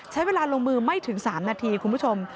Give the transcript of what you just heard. ใช้เวลาลงมือไม่ถึง๓นาทีคุณผู้ชม